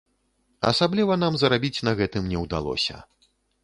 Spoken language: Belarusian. Асабліва нам зарабіць на гэтым не ўдалося.